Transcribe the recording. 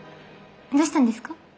どうしたんですか？